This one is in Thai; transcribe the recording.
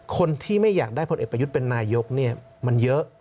คนที่ไม่อยากได้ผลเอกประยุทธ์เป็นนายกมันเยอะ